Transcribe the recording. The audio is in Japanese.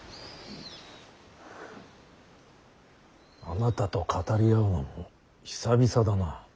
あなたと語り合うのも久々だな。